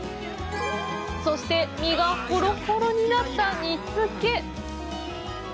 そして、身がほろほろになった煮つけ！